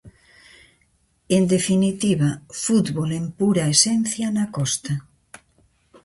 En definitiva, fútbol en pura esencia na Costa.